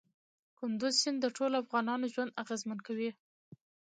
کندز سیند د ټولو افغانانو ژوند اغېزمن کوي.